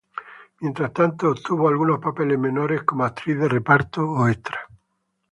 Mientras tanto obtuvo algunos papeles menores como actriz de reparto o extra.